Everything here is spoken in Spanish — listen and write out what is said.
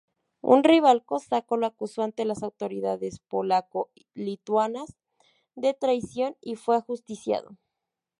Un rival cosaco lo acusó ante las autoridades polaco-lituanas de traición y fue ajusticiado.